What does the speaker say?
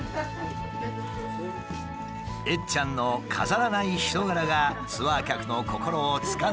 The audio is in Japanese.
えっちゃんの飾らない人柄がツアー客の心をつかんで離さない。